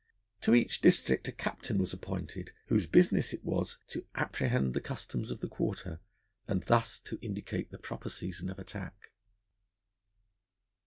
To each district a captain was appointed, whose business it was to apprehend the customs of the quarter, and thus to indicate the proper season of attack.